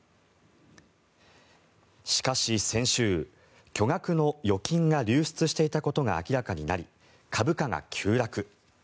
しかし、先週巨額の預金が流出していたことが明らかになり、株価が急落。